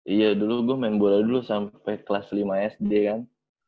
iya dulu gue main bola dulu sampe kelas lima sd kan